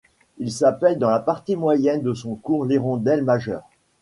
Il s'appelle dans la partie moyenne de son cours l'Hirondelle Majeure.